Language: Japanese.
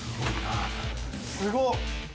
・すごっ！